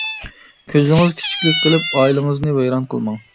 كۆزىڭىز كىچىكلىك قىلىپ ئائىلىڭىزنى ۋەيران قىلماڭ.